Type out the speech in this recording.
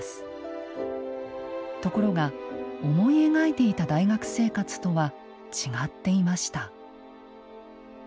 ところが思い描いていた大学生活とは違っていました。